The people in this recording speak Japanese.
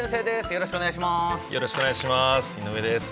よろしくお願いします。